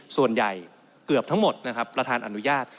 ส่วนใหญ่เกือบทั้งหมดนะครับประธานอนุญาต